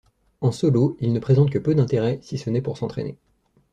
En solo, il ne présente que peu d'intérêt, si ce n'est pour s’entraîner.